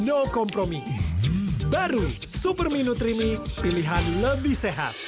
no compromise baru super minutrimi pilihan lebih sehat